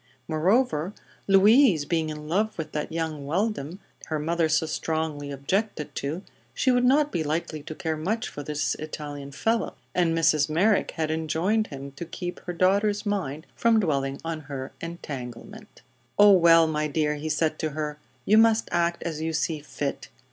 Moreover, Louise being in love with that young Weldon her mother so strongly objected to, she would not be likely to care much for this Italian fellow, and Mrs. Merrick had enjoined him to keep her daughter's mind from dwelling on her "entanglement." "Oh, well, my dear," he said to her, "you must act as you see fit.